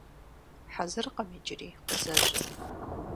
Хьэзыркъым иджыри, къызэжьэ.